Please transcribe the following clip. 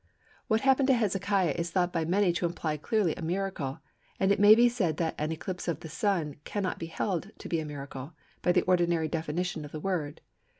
What happened to Hezekiah is thought by many to imply clearly a miracle, and it may be said that an eclipse of the Sun cannot be held to be a miracle by the ordinary definition of the word.